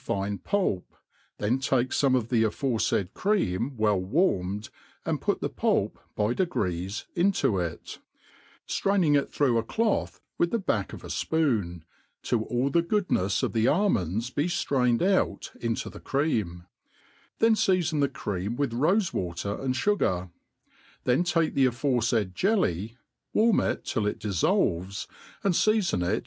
fine pulp^ then take fome of the aforefaid cream Well w^rpiied, and put the pulp by degrees into it, ftraining it through a cloth with the back of a fpoon^ till all the goodnefs of the aimpnds be ftrained out into the cream ; then feafon the cream with rafe water and fugar ; then take the aforefaid jelly, warln it till it diflblves^ and feafoait.